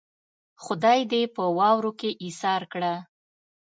خدای دې په واورو کې ايسار کړه.